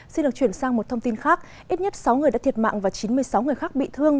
xin được chuyển sang một thông tin khác ít nhất sáu người đã thiệt mạng và chín mươi sáu người khác bị thương